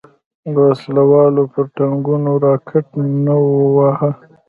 وسله والو پر ټانګونو راکټ نه وواهه.